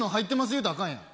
言うたらあかんやん。